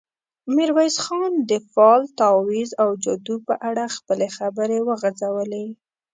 ميرويس خان د فال، تاويذ او جادو په اړه خپلې خبرې وغځولې.